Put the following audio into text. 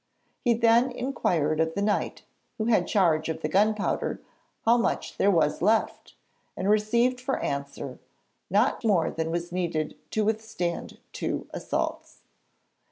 He then inquired of the Knight who had charge of the gunpowder how much there was left, and received for answer 'not more than was needed to withstand two assaults.'